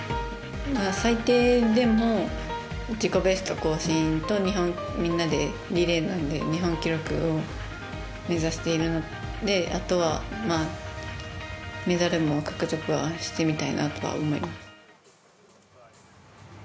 最低でも自己ベスト更新と日本、みんなでリレーなので日本記録を目指しているのであとはメダルも獲得はしてみたいなとは思います。